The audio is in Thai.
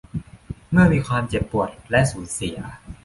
เมื่อมีความเจ็บปวดและสูญเสีย